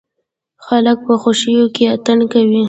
خلک په خوښيو کې اتڼ کوي.